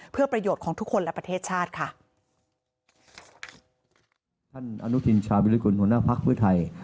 เพื่อประโยชน์ของทุกคนและประเทศชาติค่ะ